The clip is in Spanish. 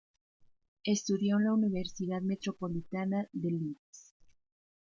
Estudió en la Universidad Metropolitana de Leeds.